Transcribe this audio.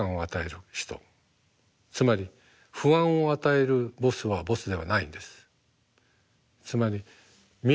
つまり不安を与えるボスはボスではないんです。